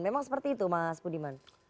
memang seperti itu mas budiman